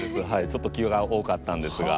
ちょっと気が多かったんですが。